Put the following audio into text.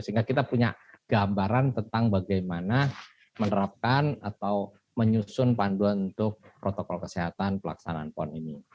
sehingga kita punya gambaran tentang bagaimana menerapkan atau menyusun panduan untuk protokol kesehatan pelaksanaan pon ini